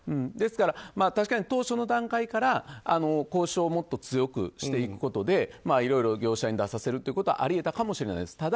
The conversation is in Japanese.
ですから、当初の段階から交渉をもっと強くしていくことでいろいろ業者に出させるということはあり得たかもしれないです。